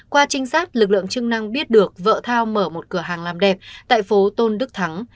qua trinh sát lực lượng chức năng biết được vợ thao mở một cửa hàng làm đẹp tại phố tôn đức thắng